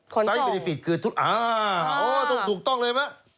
ขนส่งอ๋อถูกต้องเลยไหม